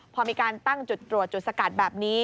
พอมีการตั้งจุดตรวจจุดสกัดแบบนี้